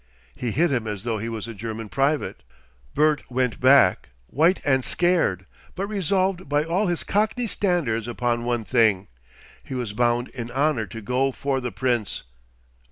He hit him as though he was a German private. Bert went back, white and scared, but resolved by all his Cockney standards upon one thing. He was bound in honour to "go for" the Prince.